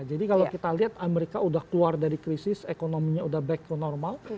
jadi kalau kita lihat amerika udah keluar dari krisis ekonominya udah back ke normal